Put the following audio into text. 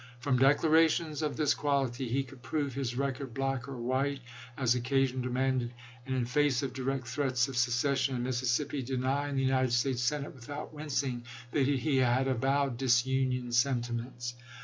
From declarations of this quality he could prove his record black or white, as occasion de manded, and, in face of direct threats of secession in Mississippi, deny in the United States Senate, without wincing, that he had avowed disunion sentiments.